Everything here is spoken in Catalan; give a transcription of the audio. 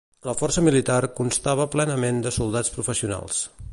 La força militar constava plenament de soldats professionals.